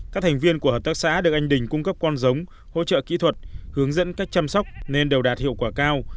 các thành viên của hợp tác xã được anh đình cung cấp con giống hỗ trợ kỹ thuật hướng dẫn cách chăm sóc nên đều đạt hiệu quả cao